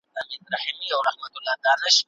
ښه ذهنیت راتلونکی نه ځنډوي.